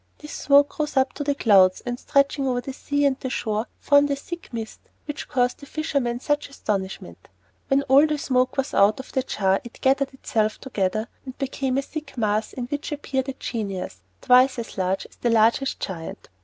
This smoke rose up to the clouds, and stretching over the sea and the shore, formed a thick mist, which caused the fisherman much astonishment. When all the smoke was out of the jar it gathered itself together, and became a thick mass in which appeared a genius, twice as large as the largest giant.